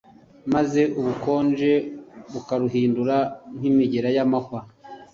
maze ubukonje bukaruhindura nk'imigera y'amahwa